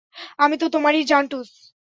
আমি তো তোমারি জান্টুস!